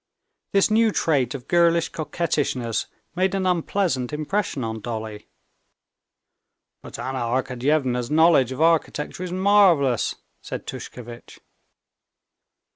This new trait of girlish coquettishness made an unpleasant impression on Dolly. "But Anna Arkadyevna's knowledge of architecture is marvelous," said Tushkevitch.